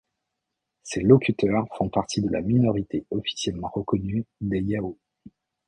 Ses locuteurs font partie de la minorité officiellement reconnue des Yao.